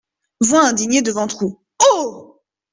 Voix indignée de Ventroux .— Oh !